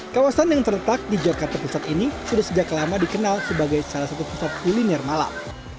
kawasan yang terletak di jakarta pusat ini sudah sejak lama dikenal sebagai salah satu pusat kuliner malam